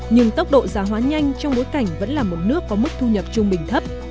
nhưng tốc độ giả hóa nhanh trong bối cảnh vẫn là một nước có mức thu nhập trung bình thấp